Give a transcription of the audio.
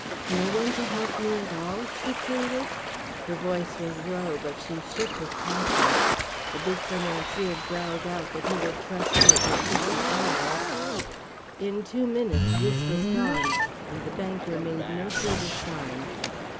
"No one to help me at all?" she pleaded. Her voice was low, but she shook with passion. The big financier growled out that he would trust her to £50. In two minutes this was gone, and the banker made no further sign.